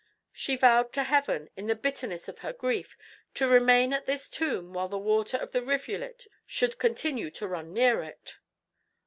She vowed to heaven, in the bitterness of her grief, to remain at this tomb while the water of the rivulet should continue to run near it."